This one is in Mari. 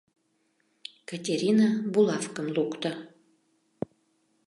Катерина булавкым лукто.